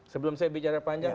sebelum saya bicara panjang